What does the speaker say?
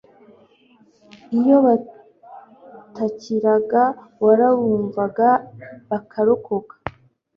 Iyo bagutakiraga warabumvaga bakarokoka